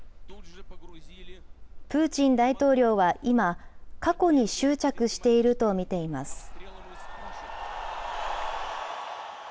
プーチン大統領は今、過去に執着していると見ています。